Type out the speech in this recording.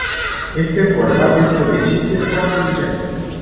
Este vorba despre o decizie foarte urgentă.